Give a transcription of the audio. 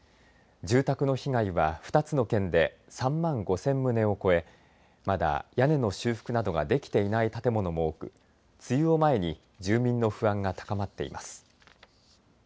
住宅の被害は２つの県で３万５０００棟を超え、まだ屋根の修復などができていない建物も多く梅雨を前に住民の不安が高まっています。